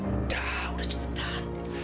udah udah cepetan